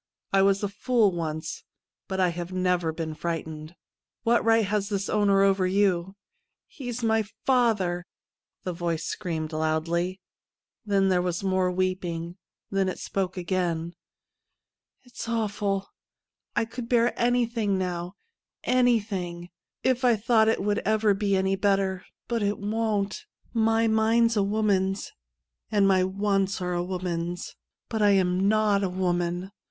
I was a fool once, but I have never been frightened. What right has this owner over you T ' He is my father,' the voice screamed loudly ; then there was more weeping ; then it spoke again : 106 THE END OF A SHOW ' It's awful ; I could bear anything now — anything — if I thought it would ever be any better ; but it won't. My mind's a woman's and my w^ants are a woman's, but I ain not a woman.